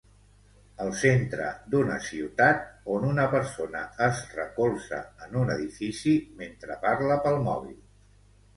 el centre d"una ciutat on una persona es recolza en un edifici mentre parla pel mòbil.